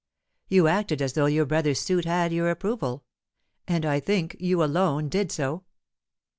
You acted as though your brother's suit had your approval. And I think you alone did so."